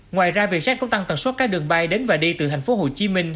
ngoài ra việt jet cũng tăng tầng suất các đường bay đến và đi từ thành phố hồ chí minh